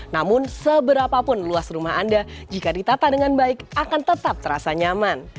namun seberapapun luas rumah anda jika ditata dengan baik akan tetap terasa nyaman